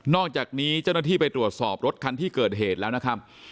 อกจากนี้เจ้าหน้าที่ไปตรวจสอบรถคันที่เกิดเหตุแล้วนะครับ